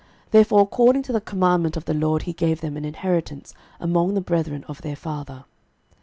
Therefore according to the commandment of the LORD he gave them an inheritance among the brethren of their father.